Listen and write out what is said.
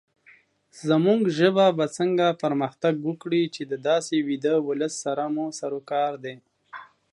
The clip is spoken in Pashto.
زمونږ ژبه به څنګه پرمختګ وکړې، چې داسې ويده ولس سره مو سروکار وي